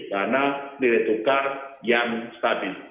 karena nilai tukar yang stabil